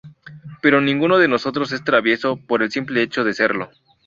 Pero ninguno de nosotros es travieso por el simple hecho de serlo.